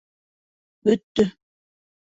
БӨТТӨ